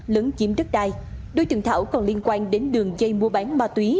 lớn chiếm đất đai đối tượng thảo còn liên quan đến đường dây mua bán ma túy